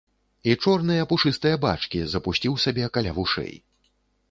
І чорныя пушыстыя бачкі запусціў сабе каля вушэй.